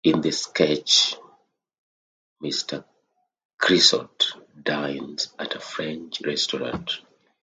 In the sketch, Mr Creosote dines at a French restaurant.